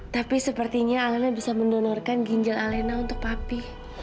tapi sepertinya alena bisa mendonorkan ginjal alena untuk papi